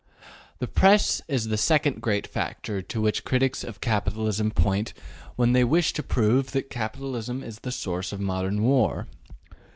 The Press is the second great factor to which critics of capitalism point when they wish to prove that capitalism is the source of modern war.